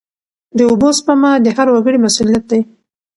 د اوبو سپما د هر وګړي مسوولیت دی.